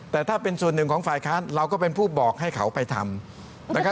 แต่ถ้าเป็นส่วนหนึ่งของฝ่ายค้านเราก็เป็นผู้บอกให้เขาไปทำ